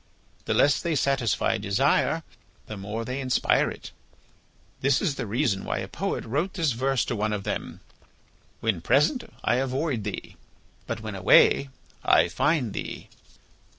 The less they satisfy desire the more they inspire it. This is the reason why a poet wrote this verse to one of them: 'When present I avoid thee, but when away I find thee.